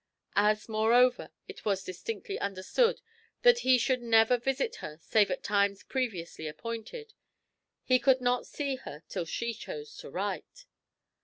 As, moreover, it was distinctly understood that he should never visit her save at times previously appointed, he could not see her till she chose to write.